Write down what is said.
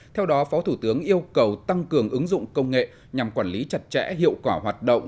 theo đó phó thủ tướng yêu cầu tăng cường ứng dụng công nghệ nhằm quản lý chặt chẽ hiệu quả hoạt động